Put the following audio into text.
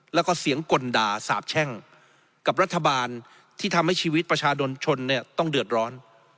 แล้วก็เสียงกลด่าสาบแช่งกับรัฐบาลที่ทำให้ชีวิตประชาชนชนเนี่ยต้องเดือดร้อน